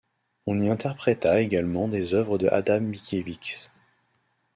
On y interpréta également des œuvres de Adam Mickiewicz.